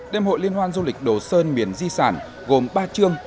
đêm hội liên hoan du lịch đồ sơn miền di sản gồm ba chương